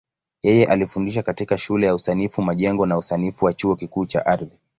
Yeye alifundisha katika Shule ya Usanifu Majengo na Usanifu wa Chuo Kikuu cha Ardhi.